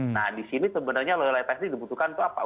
nah di sini sebenarnya loyalitas ini dibutuhkan untuk apa